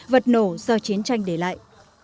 vật nổ do chiến tranh để lại